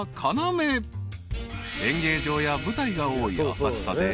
［演芸場や舞台が多い浅草で］